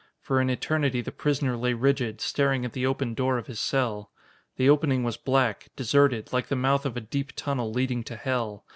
For an eternity, the prisoner lay rigid, staring at the open door of his cell. The opening was black, deserted, like the mouth of a deep tunnel, leading to hell.